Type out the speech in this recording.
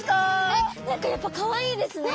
えっ何かやっぱかわいいですね。